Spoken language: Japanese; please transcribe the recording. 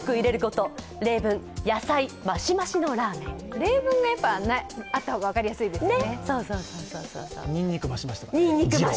例文があった方が分かりやすいですね。